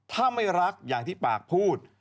ถ้าไม่รักอย่างที่ปากพูด